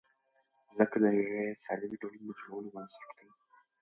زده کړه د یوې سالمې ټولنې د جوړولو بنسټ دی.